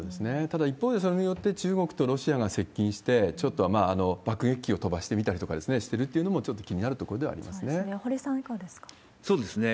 ただ一方で、それによって中国とロシアが接近して、ちょっと爆撃機を飛ばしてみたりしてるっていうのもちょっと気にそうですね。